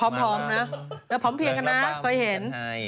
ลำมาสีกลำมา